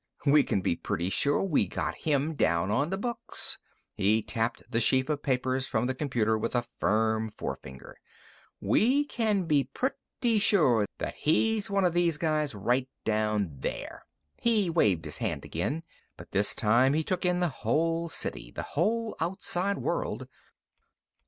We can be pretty sure we got him down on the books." He tapped the sheaf of papers from the computer with a firm forefinger. "We can be pretty sure that he's one of those guys right down there!" He waved his hand again, but, this time, he took in the whole city the whole outside world.